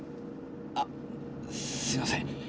あっすいません。